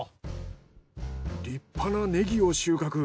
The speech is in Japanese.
立派なネギを収穫。